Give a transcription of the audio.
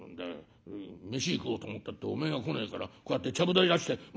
飯食おうと思ったっておめえが来ねえからこうやってちゃぶ台出して待ってんじゃねえか」。